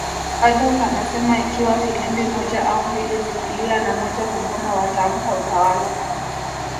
Adolf anasema ikiwa filimbi moja au mbili zikilia na moja kugoma watampa utawala